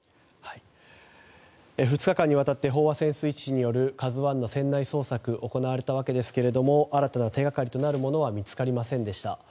２日間にわたって飽和潜水士による「ＫＡＺＵ１」の船内捜索が行われたわけですが新たな手掛かりとなるものは見つかりませんでした。